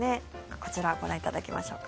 こちらご覧いただきましょうか。